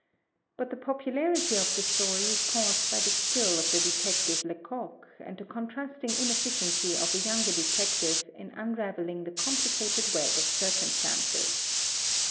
But the popularity of the story is caused by the skill of the detective Lecoq and the contrasting ineflidency of a yoimger detective in unraveling the complicated web of cir cumstances.